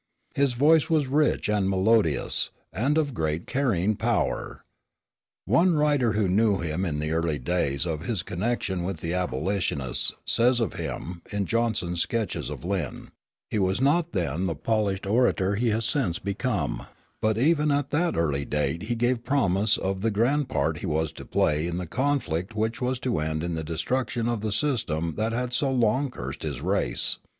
His voice was rich and melodious, and of great carrying power. One writer, who knew him in the early days of his connection with the abolitionists, says of him, in Johnson's Sketches of Lynn: "He was not then the polished orator he has since become, but even at that early date he gave promise of the grand part he was to play in the conflict which was to end in the destruction of the system that had so long cursed his race....